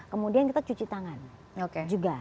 kemudian kita cuci tangan juga